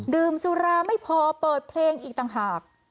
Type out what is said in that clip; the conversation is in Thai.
ดื่มสุราไม่พอเปิดเพลงอีกต่างหาก